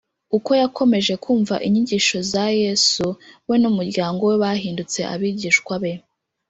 . Uko yakomeje kumva inyigisho za Yesu, we n’umuryango we bahindutse abigishwa be.